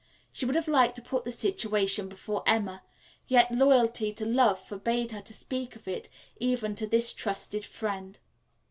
She would have liked to put the situation before Emma, yet loyalty to love forbade her to speak of it even to this trusted friend.